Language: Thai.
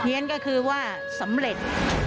ี้ยนก็คือว่าสำเร็จ